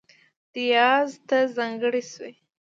ریاض ته ځانګړې شوې